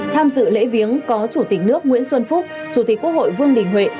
tham dự lễ viếng có chủ tịch nước nguyễn xuân phúc chủ tịch quốc hội vương đình huệ